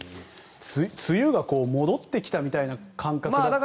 梅雨が戻ってきたみたいな感覚で。